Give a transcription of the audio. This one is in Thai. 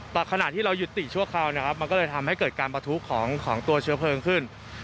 แต่ขณะที่เรายุติชั่วคราวนะครับมันก็เลยทำให้เกิดการประทุของตัวเชื้อเพลิงขึ้น